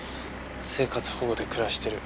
生活保護で暮らしてる。